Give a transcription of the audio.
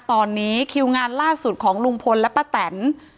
ตอนนี้คิวงานล่าสุดของลุงพลและป้าแตน